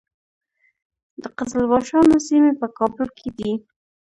د قزلباشانو سیمې په کابل کې دي